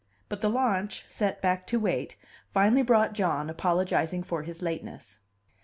But the launch, sent back to wait, finally brought John, apologizing for his lateness.